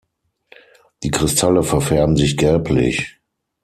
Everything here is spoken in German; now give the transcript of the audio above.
Die Kristalle verfärben sich gelblich.